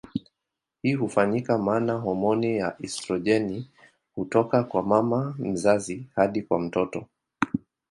Hii hufanyika maana homoni ya estrojeni hutoka kwa mama mzazi hadi kwa mtoto.